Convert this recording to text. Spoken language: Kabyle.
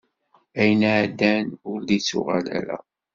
Ayen iɛeddan ur d-ittuɣal ara.